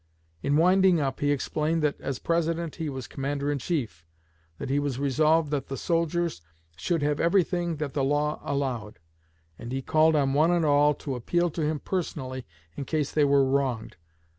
In winding up, he explained that, as President, he was commander in chief; that he was resolved that the soldiers should have everything that the law allowed; and he called on one and all to appeal to him personally in case they were wronged.